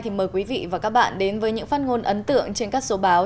thì mời quý vị và các bạn đến với những phát ngôn ấn tượng trên các số báo